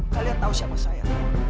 kalian tahu siapa saya